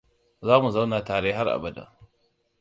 Za mu zauna tare har abada.